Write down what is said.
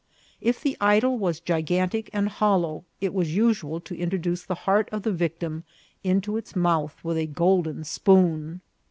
If the idol was gigantic and hollow, it was usual to introduce the heart of the victim into its mouth with a golden spoon.